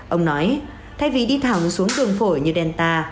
ông nói thay vì đi thẳng một xuống đường phổi như delta